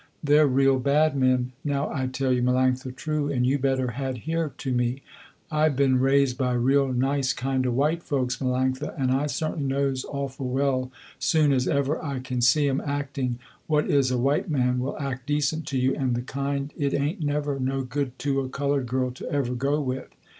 They're real bad men, now I tell you Melanctha true, and you better had hear to me. I been raised by real nice kind of white folks, Melanctha, and I certainly knows awful well, soon as ever I can see 'em acting, what is a white man will act decent to you and the kind it ain't never no good to a colored girl to ever go with.